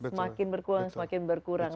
semakin berkurang semakin berkurang